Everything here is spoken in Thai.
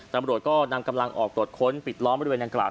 ตำรวจก็นำกำลังออกตรวจค้นปิดล้อมบริเวณดังกล่า